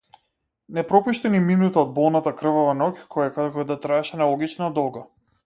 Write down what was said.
Не пропушти ни минута од болната, крвава ноќ која како да траеше нелогично долго.